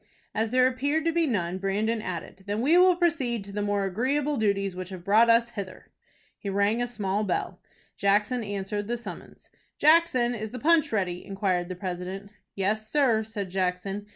As there appeared to be none, Brandon added, "Then we will proceed to the more agreeable duties which have brought us hither." He rang a small bell. Jackson answered the summons. "Jackson, is the punch ready?" inquired the president. "Yes, sir," said Jackson.